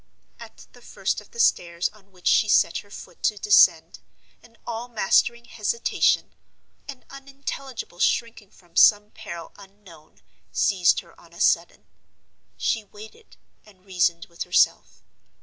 At the first of the stairs on which she set her foot to descend, an all mastering hesitation, an unintelligible shrinking from some peril unknown, seized her on a sudden. She waited, and reasoned with herself.